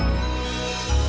gaww cepetan kok tersana